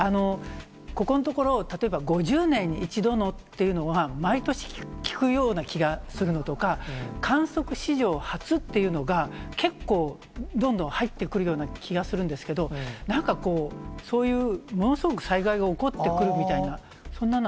ここのところ、例えば５０年に一度のっていうのは、毎年、聞くような気がするのとか、観測史上初っていうのが結構、どんどん入ってくるような気がするんですけど、なんかこう、そういうものすごく災害が起こってくるみたいな、そんなのは。